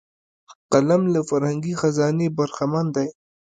قلم له فرهنګي خزانې برخمن دی